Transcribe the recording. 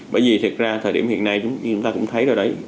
bởi vì thực ra thời điểm hiện nay chúng ta cũng thấy rồi đấy